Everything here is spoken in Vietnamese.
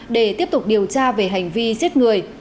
để tiếp tục điều tra về hành vi giết người